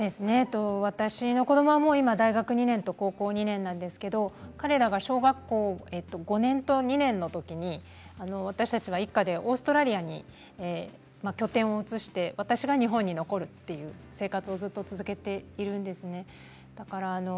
私の子どもはもう大学２年生と高校２年生なんですが彼らが小学校５年と２年のときに私たちは一家でオーストラリアに拠点を移して私は日本に残るという生活を続けています。